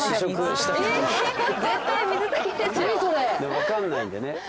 分かんないんでね。